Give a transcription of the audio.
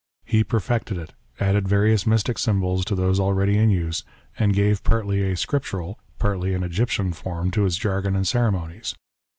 He perfected it, added various mystic symbols to those already in use, and gave partly a scriptural, partly an Egyptian form to its jargon and ceremonies.